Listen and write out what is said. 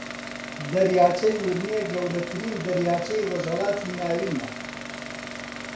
دەریاچەی ورمێ گەورەترین دەریاچەی ڕۆژھەڵاتی ناوینە